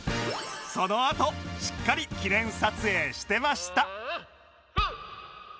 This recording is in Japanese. そのあとしっかり記念撮影してました